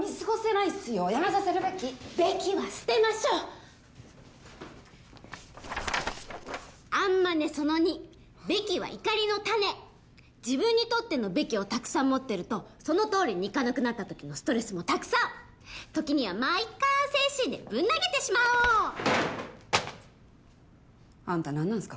やめさせるべき「べき」は捨てましょうアンマネその２「べき」は怒りの種自分にとっての「べき」をたくさん持ってるとそのとおりにいかなくなったときのストレスもたくさん時にはまあいっか精神でぶん投げてしまおうあんたなんなんすか？